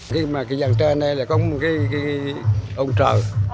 khi mà cái dòng trên đây là có một cái ông trợ